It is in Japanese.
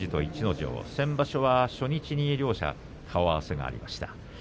城先場所は初日に両者顔合わせがありました。